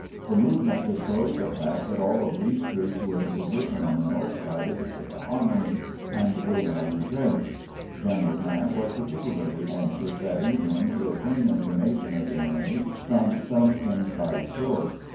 The movement disclosed the fact that all of Lee's troops were in position on the north side of the Chickahominy, and were well intrenched. Greneral G rant was particularly anxious, that evening, to obtain information of the enemy from some inside source.